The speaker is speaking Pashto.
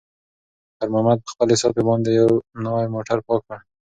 خیر محمد په خپلې صافې باندې یو نوی موټر پاک کړ.